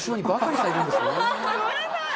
ごめんなさい！